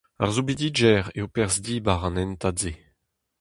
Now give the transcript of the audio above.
Ar soubidigezh eo perzh dibar an hentad-se.